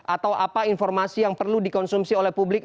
atau apa informasi yang perlu dikonsumsi oleh publik